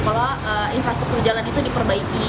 kalau infrastruktur jalan itu diperbaiki